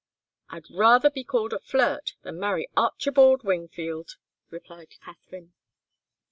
"I'd rather be called a flirt than marry Archibald Wingfield," replied Katharine.